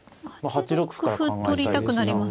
８六歩取りたくなりますね。